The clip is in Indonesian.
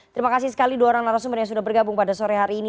terima kasih sekali dua orang narasumber yang sudah bergabung pada sore hari ini